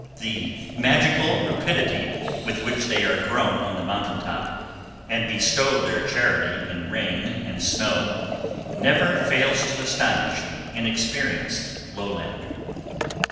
The magical rapidity with which they are grown on the mountain top, and bestow their charity in rain and snow, never fails to astonish the inexperienced lowlander.